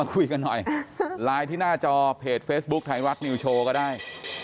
ฉันก็อยู่ฉันอย่างนี้ฉันก็ทำฉันอย่างนี้